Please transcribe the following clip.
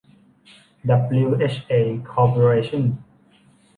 ดับบลิวเอชเอ คอร์ปอเรชั่น